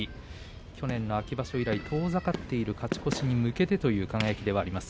去年の秋場所以来遠ざかっている勝ち越しに向けてという輝ではあります。